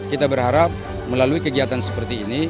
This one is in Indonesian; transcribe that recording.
kita berharap melalui kegiatan seperti ini